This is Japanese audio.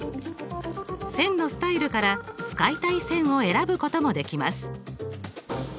線のスタイルから使いたい線を選ぶこともできます。